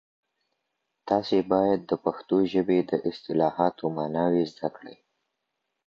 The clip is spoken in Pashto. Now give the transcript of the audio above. تاسي باید د پښتو ژبي د اصطلاحاتو ماناوي زده کړئ